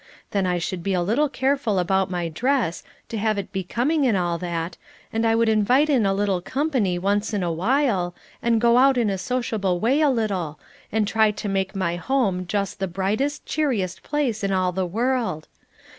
Then I should be a little careful about my dress, to have it becoming and all that, and I would invite in a little company once in a while, and go out in a sociable way a little, and try to make my home just the brightest, cheeriest place in all the world.